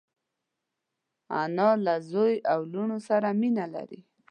انا له زوی او لوڼو سره مینه لري